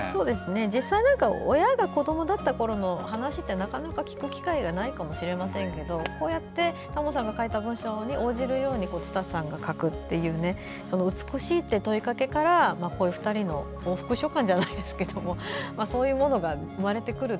実際親が子どもだったころの話ってなかなか聞く機会がないかもしれませんけどこうやって多聞さんが書いた文章に応じるようにつたさんが書くっていう美しいって問いかけから２人の往復書簡じゃないですけどそういうものが生まれてくる。